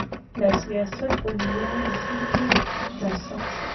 دا سیاست په ویاو لسیزه کې لا سخت شو.